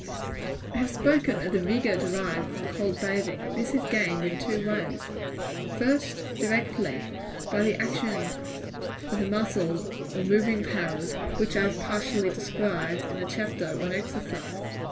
I have spoken of the vigor derived from cold bathing. This is gained in two ways. First, directly, by the action of the muscles or moving powers, which I have partially described in the chapter on Exercise.